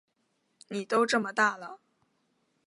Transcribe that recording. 妳都这么大了